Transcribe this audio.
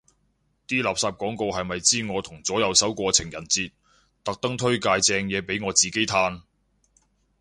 啲垃圾廣告係咪知我同左右手過情人節，特登推介正嘢俾我自己嘆